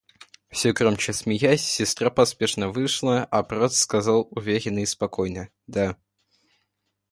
Все громче смеясь, сестра поспешно вышла, а брат сказал уверенно и спокойно: — Да.